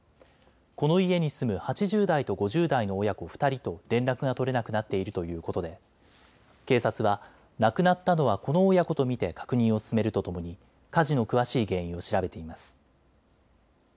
この家に住む８０代と５０代の親子２人と連絡が取れなくなっているということで警察は亡くなったのはこの親子と見て確認を進めるとともに火事の詳しい原因を調べています。